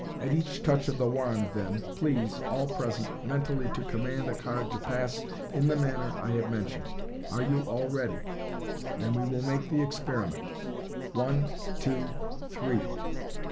At each touch of the wand, then, please, all present, mentally to command a card to pass in the manner I have mentioned. Are you all ready! Then we will make the experi ment. One, two, three!